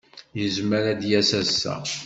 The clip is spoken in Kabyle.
Yezmer ad d-yas ass-a.